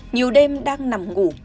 nhiều đêm đang nằm ngủ